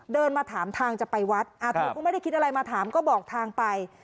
เดินมาถามทางจะไปวัดเธอก็ไม่ได้คิดอะไรมาถามก็บอกทางไป